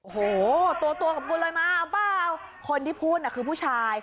โอ้โหตัวตัวกับกูเลยมาเอาเปล่าคนที่พูดน่ะคือผู้ชาย